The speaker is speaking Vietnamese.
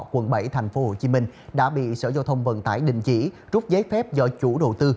quận bảy tp hcm đã bị sở giao thông vận tải đình chỉ trút giấy phép do chủ đầu tư